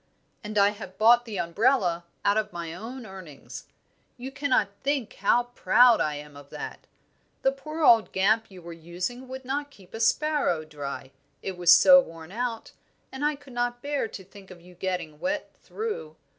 "And I have bought the umbrella out of my own earnings. You cannot think how proud I am of that! The poor old Gamp you were using would not keep a sparrow dry, it was so worn out, and I could not bear to think of you getting wet through.